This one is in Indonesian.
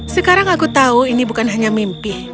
sekarang aku tahu ini bukan hanya mimpi